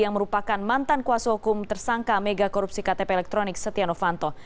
yang merupakan mantan kuasum hukum tersangka mega korupsi ktp elektronik setiano fanto